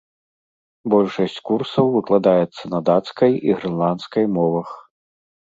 Большасць курсаў выкладаецца на дацкай і грэнландскай мовах.